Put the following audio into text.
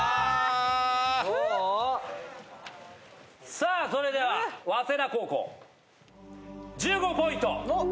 さあそれでは早稲田高校１５ポイント！